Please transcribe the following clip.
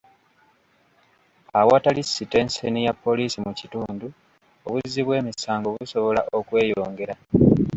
Awatali sitenseni ya poliisi mu kitundu, obuzzi bw'emisango busobola okweyongera.